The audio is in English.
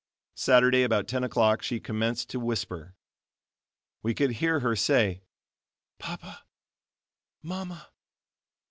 Saturday, about ten o'clock, she commenced to whisper. We could hear her say: "Papa, Mama."